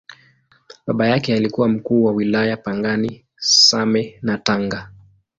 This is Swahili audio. Baba yake alikuwa Mkuu wa Wilaya Pangani, Same na Tanga.